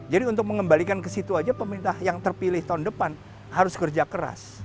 jadi untuk mengembalikan ke situ aja pemerintah yang terpilih tahun depan harus kerja keras